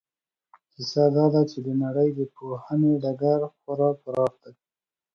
کیسه دا ده چې د نړۍ د پوهنې ډګر خورا پراخ دی.